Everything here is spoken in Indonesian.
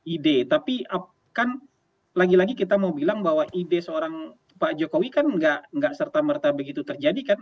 ide tapi kan lagi lagi kita mau bilang bahwa ide seorang pak jokowi kan gak serta merta begitu terjadi kan